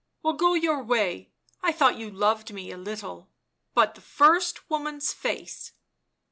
" Well, go your way — I thought you loved me a little — but the first woman's face